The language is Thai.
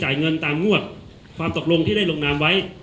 อย่างสาม